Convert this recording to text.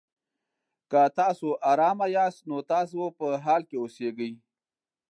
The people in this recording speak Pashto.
که تاسو ارامه یاست؛ نو تاسو په حال کې اوسېږئ.